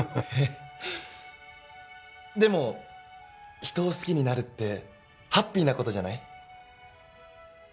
えっでも人を好きになるってハッピーな事じゃない？